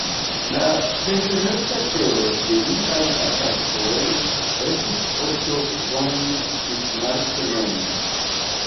La preferata celo de liaj atakoj estis Otto von Bismarck mem.